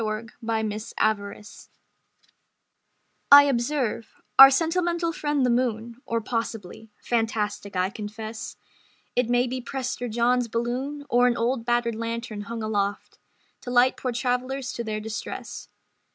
Conversation Galante I observe: "Our sentimental friend the moon Or possibly (fantastic, I confess) It may be Prester John's balloon Or an old battered lantern hung aloft To light poor travellers to their distress."